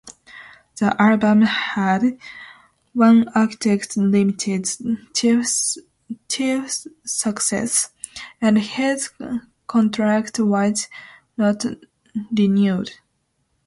The album had only achieved limited chart success, and his contract was not renewed.